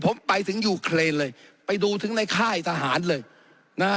ผมไปถึงยูเครนเลยไปดูถึงในค่ายทหารเลยนะฮะ